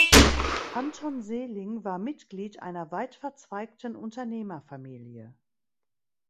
Anton Seeling war Mitglied einer weitverzweigten Unternehmerfamilie.